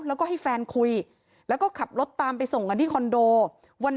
แล้วก็ให้แฟนคุยแล้วก็ขับรถตามไปส่งกันที่คอนโดวัน